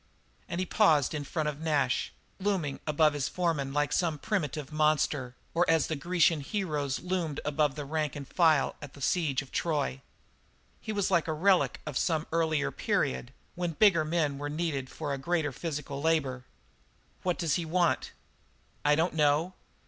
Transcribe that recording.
And he paused in front of Nash, looming above his foreman like some primitive monster, or as the Grecian heroes loomed above the rank and file at the siege of Troy. He was like a relic of some earlier period when bigger men were needed for a greater physical labour. "What does he want?" "I don't know.